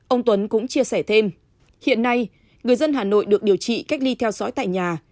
ông tuấn cũng chia sẻ thêm hiện nay người dân hà nội được điều trị cách ly theo dõi tại nhà